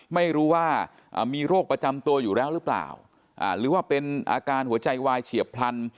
ไม่รู้ว่ามีโรคประจำตัวอยู่แล้วหรือเปล่าหรือว่าเป็นอาการหัวใจวายเฉียบพลัน